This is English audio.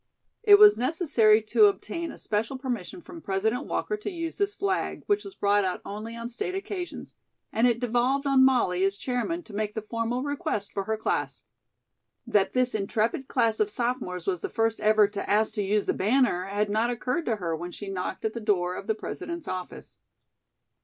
It was necessary to obtain a special permission from President Walker to use this flag, which was brought out only on state occasions, and it devolved on Molly, as chairman, to make the formal request for her class. That this intrepid class of sophomores was the first ever to ask to use the banner had not occurred to her when she knocked at the door of the President's office.